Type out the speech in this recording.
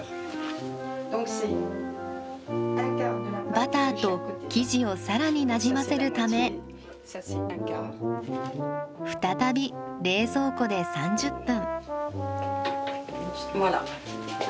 バターと生地をさらになじませるため再び冷蔵庫で３０分。